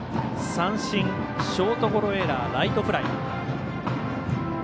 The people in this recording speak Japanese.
三振、ショートゴロエラーライトフライ。